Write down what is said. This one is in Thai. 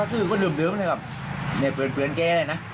ก็คือคนเริ่มนะครับเปลี่ยนแกเลยนะ